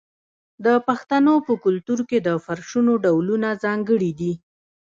د پښتنو په کلتور کې د فرشونو ډولونه ځانګړي دي.